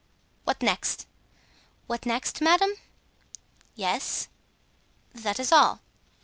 "What next?" "What next, madame?" "Yes." "That is all."